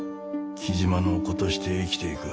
雉真の子として生きていく。